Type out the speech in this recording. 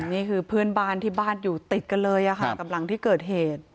นี่คือเพื่อนบ้านที่บ้านอยู่ติดกันเลยค่ะกับหลังที่เกิดเหตุ